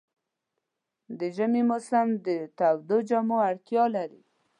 د ژمي موسم د تودو جامو اړتیا لري.